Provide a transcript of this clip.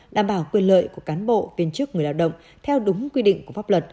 đảm bảo quyền lợi của cán bộ viên chức người lao động theo đúng quy định của pháp luật